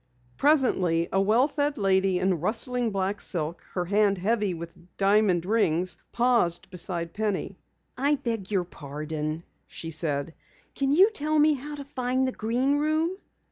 Presently, a well fed lady in rustling black silk, her hand heavy with diamond rings, paused beside Penny. "I beg your pardon," she said, "can you tell me how to find the Green Room?"